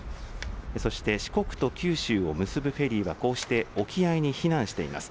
そして四国と九州を結ぶフェリーは、こうして沖合に避難しています。